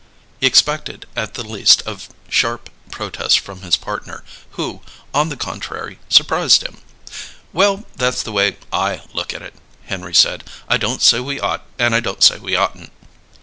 He expected at the least a sharp protest from his partner, who, on the contrary, surprised him. "Well, that's the way I look at it," Henry said. "I don't say we ought and I don't say we oughtn't."